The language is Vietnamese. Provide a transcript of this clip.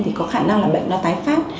thì có khả năng là bệnh nó tái phát